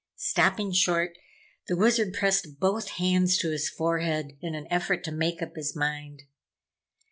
Stopping short, the Wizard pressed both hands to his forehead in an effort to make up his mind.